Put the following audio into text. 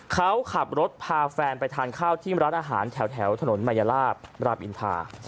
เขาขับรถพาแฟนไปทานข้าวที่ร้านอาหารแถวถนนมายลาบรามอินทา